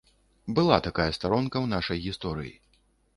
Была такая старонка ў нашай гісторыі.